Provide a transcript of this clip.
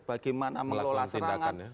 bagaimana melolong tindakan